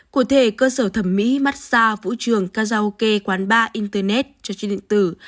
cụ thể cơ sở thẩm mỹ mát xa vũ trường karaoke quán bar internet cho chuyên định tử